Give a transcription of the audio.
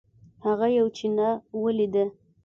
هغه یوه چینه ولیده.